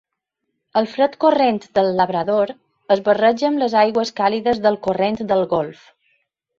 El fred Corrent del Labrador es barreja amb les aigües càlides del Corrent del Golf.